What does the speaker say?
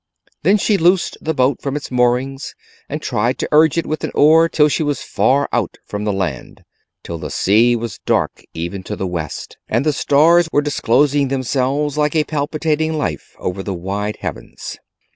Then she loosed the boat from its moorings, and tried to urge it with an oar, till she was far out from the land, till the sea was dark even to the west, and the stars were disclosing themselves like a palpitating life over the wide heavens.